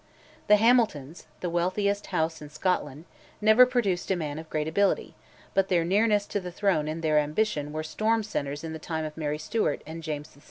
The Hamiltons, the wealthiest house in Scotland, never produced a man of great ability, but their nearness to the throne and their ambition were storm centres in the time of Mary Stuart and James VI.